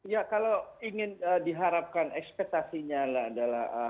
ya kalau ingin diharapkan ekspektasinya adalah